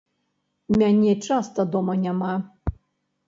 Мяне часта дома няма.